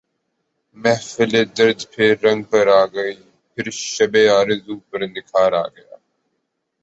محفل درد پھر رنگ پر آ گئی پھر شب آرزو پر نکھار آ گیا